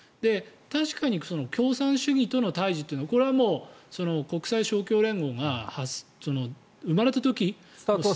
確かに共産主義との対峙というのはこれはもう国際勝共連合が生まれた時。